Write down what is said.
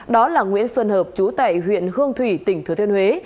đó là nguyễn xuân hợp chú tại huyện hương thủy tỉnh thừa thiên huế